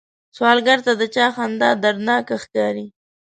سوالګر ته د چا خندا دردناکه ښکاري